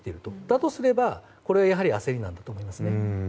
だとすればこれはやはり焦りなんだと思いますね。